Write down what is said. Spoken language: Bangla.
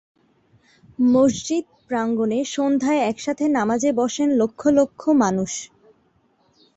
মসজিদ প্রাঙ্গণে সন্ধ্যায় একসাথে নামাজে বসেন লক্ষ লক্ষ মানুষ।